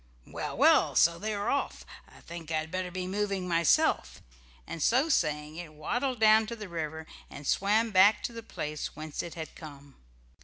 "Well, well! So they're off. I think I'd better be moving myself," and so saying it waddled down to the river, and swam back to the place whence it had come.